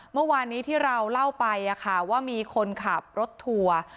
เมื่อวานนี้ที่เราเล่าไปว่ามีคนขับรถทัวร์